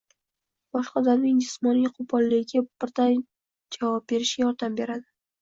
boshqa odamning jismoniy qo‘polligiga birday javob berishga yordam beradi.